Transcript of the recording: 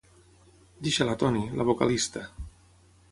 Deixa-la Toni, la vocalista.